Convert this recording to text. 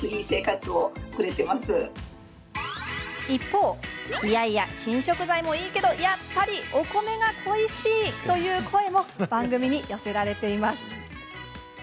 一方、新食材もいいけどやっぱりお米が恋しいという声も番組に寄せられています。